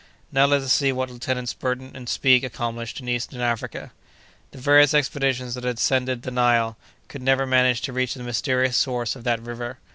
Now let us see what Lieutenants Burton and Speke accomplished in Eastern Africa. The various expeditions that had ascended the Nile could never manage to reach the mysterious source of that river.